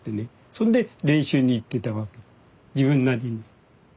そんで練習に行ってたわけ自分なりに。